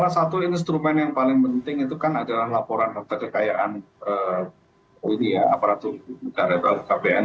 salah satu instrumen yang paling penting itu kan adalah laporan pada kekayaan aparatur lhkpn